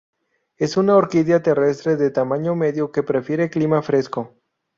Es una orquídea terrestre de tamaño medio, que prefiere clima fresco.